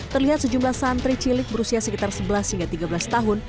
terlihat sejumlah santri cilik berusia sekitar sebelas hingga tiga belas tahun